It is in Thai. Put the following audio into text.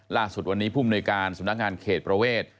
ล่าสุดวันนี้ผู้มนุยการสำนักงานเขตประเวท